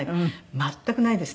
全くないですね